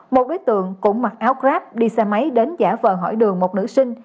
một đối tượng cũng mặc áo grab đi xe máy đến giả vờ hỏi đường một nữ sinh